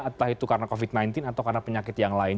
entah itu karena covid sembilan belas atau karena penyakit yang lain